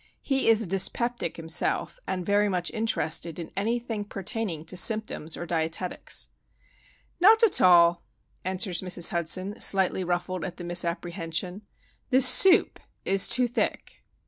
He is a dyspeptic, himself, and very much interested in anything pertaining to symptoms or dietetics. "Not at all," answers Mrs. Hudson, slightly ruffled at the misapprehension. "The soup is too thick."